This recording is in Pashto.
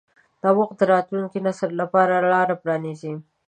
نوښت د راتلونکي نسل لپاره لاره پرانیځي.